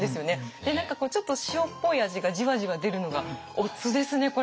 で何かこうちょっと塩っぽい味がじわじわ出るのがおつですねこれ。